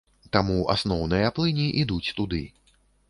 Таму асноўныя плыні ідуць туды.